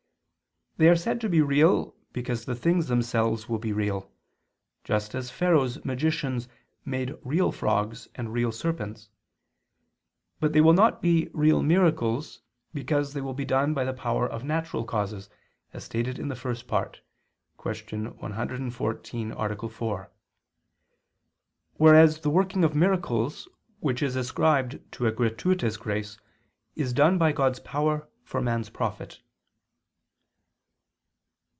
They are said to be real, because the things themselves will be real, just as Pharaoh's magicians made real frogs and real serpents; but they will not be real miracles, because they will be done by the power of natural causes, as stated in the First Part (Q. 114, A. 4); whereas the working of miracles which is ascribed to a gratuitous grace, is done by God's power for man's profit.